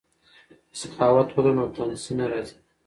که سخاوت ولرو نو تنګسي نه راځي.